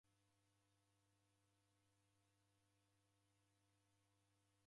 Wafuma kilembenyi kushoa mbande